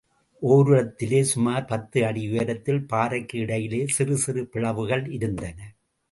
ஓரிடத்திலே சுமார் பத்து அடி உயரத்தில் பாறைக்கு இடையிலே சிறு சிறு பிளவுகள் இருந்தன.